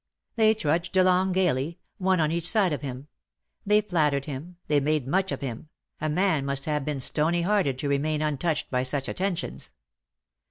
They trudged along gaily, one on each side of him ; they flattered him, they made much of him — a man must have been stony hearted to remain untouched by such attentions.